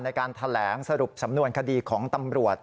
ในการแถลงสรุปสำนวนคดีของตำรวจ